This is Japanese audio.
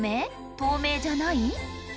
透明じゃない？